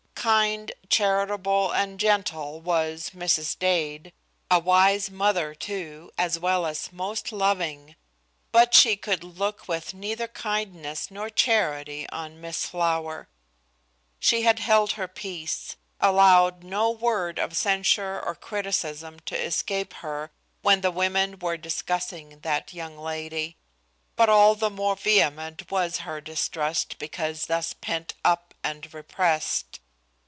Kind, charitable and gentle was Mrs. Dade, a wise mother, too, as well as most loving, but she could look with neither kindness nor charity on Miss Flower. She had held her peace; allowed no word of censure or criticism to escape her when the women were discussing that young lady; but all the more vehement was her distrust, because thus pent up and repressed.